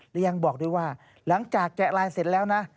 และยังบอกด้วยว่าหลังจากแกะลายเสร็จแล้วนะ